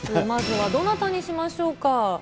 まずはどなたにしましょうか。